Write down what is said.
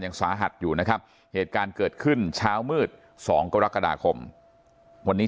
ยังสาหัสอยู่นะครับเหตุการณ์เกิดขึ้นเช้ามืด๒กรกฎาคมวันนี้